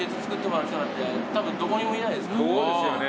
そうですよね。